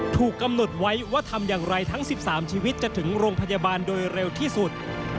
ถูกกำหนดไว้ว่าทำอย่างไรทั้ง๑๓ชีวิตจะถึงโรงพยาบาลโดยเร็วที่สุด